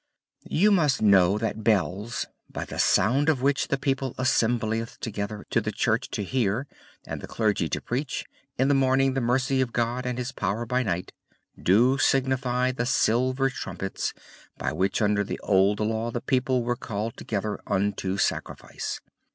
"You must know that bells, by the sound of which the people assembleth together to the church to hear, and the Clergy to preach, IN THE MORNING THE MERCY OF GOD AND HIS POWER BY NIGHT do signify the silver trumpets, by which under the Old Law the people was called together unto sacrifice.